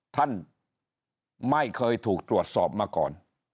ท่านไม่เคยถูกตรวจสอบมาก่อน